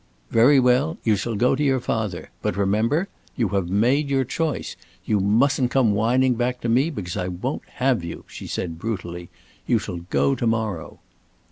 "Very well, you shall go to your father. But remember! You have made your choice. You mustn't come whining back to me, because I won't have you," she said, brutally. "You shall go to morrow."